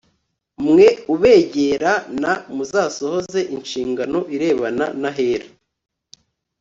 mwe ubegera n Muzasohoze inshingano irebana n ahera